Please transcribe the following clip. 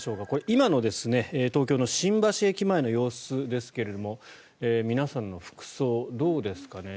今の東京の新橋駅前の様子ですが皆さんの服装、どうですかね。